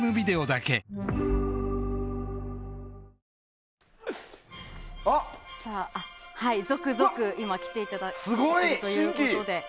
ニトリ続々、今きていただいているということで。